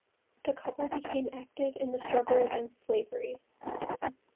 The couple became active in the struggle against slavery.